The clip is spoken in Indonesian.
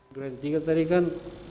duren tiga tadi kan